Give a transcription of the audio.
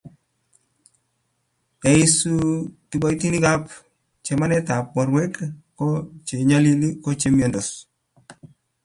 ya eiso kiboitinikab chamanetab borwek ko che nyalili ko che imyondos